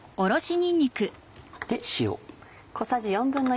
塩。